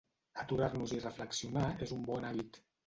Aturar-nos i reflexionar és un bon hàbit